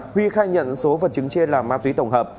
huy khai nhận số vật chứng trên là ma túy tổng hợp